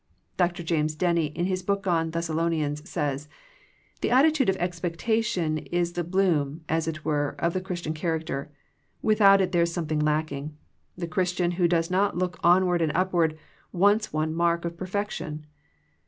Dr. James Denney in his book on Thessalonians says, " The attitude of expectation is the bloom, as it were, of the Christian character. Without it there is something lacking. The Christian who does not look onward and upward wants one mark of perfection.